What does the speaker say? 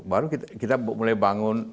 baru kita mulai bangun